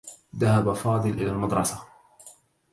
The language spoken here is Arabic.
ذهب فاضل إلى المدرسة.